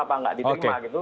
apa nggak diterima gitu